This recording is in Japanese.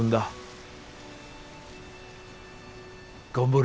頑張れ。